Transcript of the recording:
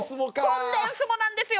コンデンスもなんですよ！